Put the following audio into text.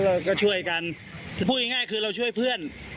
เราก็ช่วยกันพูดง่ายคือเราช่วยเพื่อน